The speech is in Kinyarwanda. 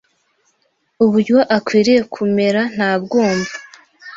Uburyo akwiye kumera ntabwumva